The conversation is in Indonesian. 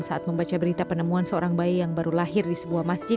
saat membaca berita penemuan seorang bayi yang baru lahir di sebuah masjid